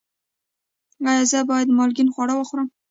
ایا زه باید مالګین خواړه وخورم؟